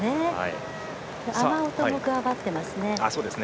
雨音も加わってますね。